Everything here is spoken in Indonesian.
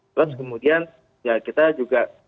terus kemudian ya kita juga